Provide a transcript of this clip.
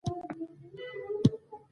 زما د پلار د پلار نوم څه و؟